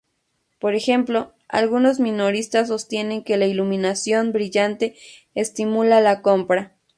Por ejemplo, algunos minoristas sostienen que la iluminación brillante estimula la compra.